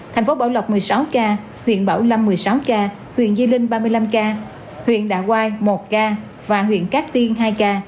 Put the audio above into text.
thành phố bảo lộc một mươi sáu ca huyện bảo lâm một mươi sáu ca huyện di linh ba mươi năm ca huyện đạ quai một ca và huyện cát tiên hai ca